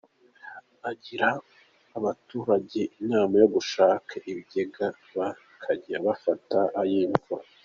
Agira abaturage inama yo gushaka ibigega bakajya bafata ay’imvura.